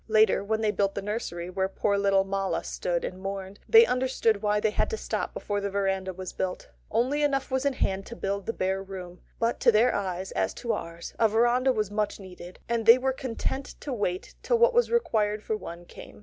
Later, when they built the nursery where poor little Mala stood and mourned, they understood why they had to stop before the verandah was built. Only enough was in hand to build the bare room; but to their eyes, as to ours, a verandah was much needed, and they were content to wait till what was required for one came.